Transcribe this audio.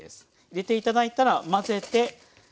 入れて頂いたら混ぜて。